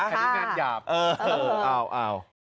อันนี้งานหยาบ